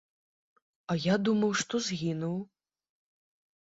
А я думаў, што згінуў.